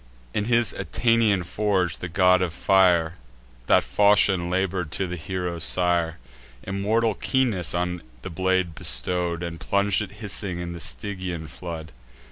In his Aetnaean forge, the God of Fire That falchion labour'd for the hero's sire; Immortal keenness on the blade bestow'd, And plung'd it hissing in the Stygian flood.